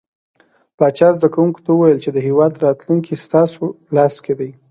پاچا زده کوونکو ته وويل چې د هيواد راتلونکې ستاسو لاس کې ده .